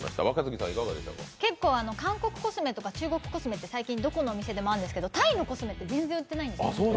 韓国コスメとか中国コスメとかって最近どこの店でもあるんですけどタイのコスメって全然売ってないんです。